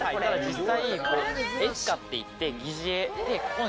実際エスカっていって疑似餌を。